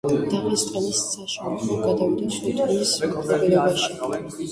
დაღესტნის საშამხლო გადავიდა სულთნის მფარველობაში.